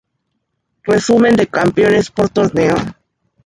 Resumen de campeones por Torneo.